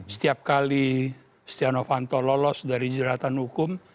setiap kali setianowanto lolos dari jeratan hukum